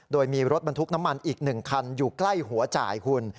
โดยมีรถบรรทุกน้ำมันอีก๑คันอยู่ใกล้หัวจ่ายคุณ